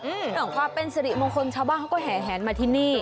หรือว่าเป็นสิริมงคลเช้าบ้านเขาก็แหงมาที่นี่